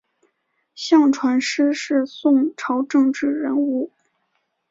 向传师是宋朝政治人物。